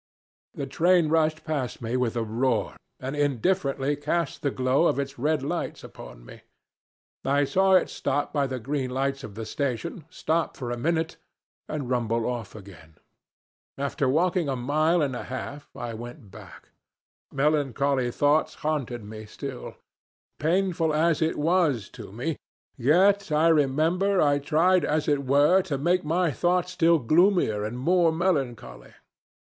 The train rushed past me with a roar and indifferently cast the glow of its red lights upon me. I saw it stop by the green lights of the station, stop for a minute and rumble off again. After walking a mile and a half I went back. Melancholy thoughts haunted me still. Painful as it was to me, yet I remember I tried as it were to make my thoughts still gloomier and more melancholy.